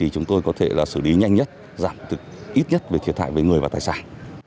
chúng tôi có thể xử lý nhanh nhất giảm ít nhất về thiệt hại với người và tài sản